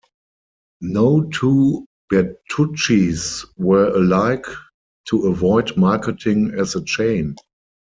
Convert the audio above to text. No two Bertucci's were alike to avoid marketing as a chain.